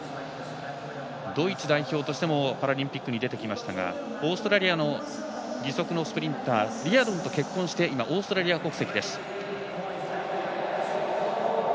ドイツ代表としてもパラリンピックに出てきましたがオーストラリアの義足のスプリンターリアドンと結婚してオーストラリア国籍です。